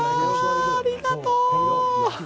ありがとう！